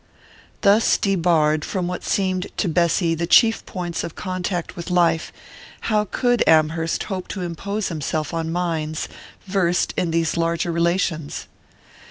Thus debarred from what seemed to Bessy the chief points of contact with life, how could Amherst hope to impose himself on minds versed in these larger relations?